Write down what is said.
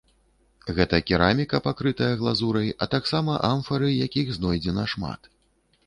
Гэта кераміка, пакрытая глазурай, а таксама амфары, якіх знойдзена шмат.